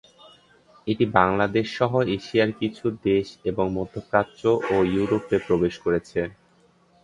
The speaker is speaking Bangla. এটি বাংলাদেশসহ এশিয়ার কিছু দেশ এবং মধ্যপ্রাচ্য ও ইউরোপে প্রবেশ করেছে।